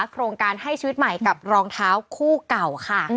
โครงการให้ชีวิตใหม่กับรองเท้าคู่เก่าค่ะ